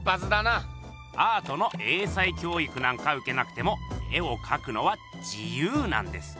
アートの英才教育なんかうけなくても絵をかくのは自由なんです。